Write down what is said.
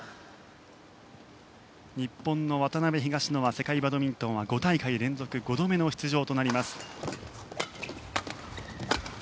日本の渡辺、東野世界バドミントンは５大会連続５度目の出場。